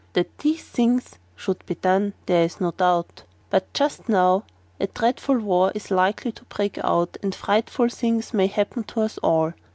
That these things should be done, there is no doubt, but just now a dreadful war is likely to break out, and frightful things may happen to us all.